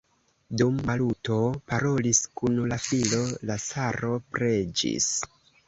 Dum Maluto parolis kun la filo, la caro preĝis.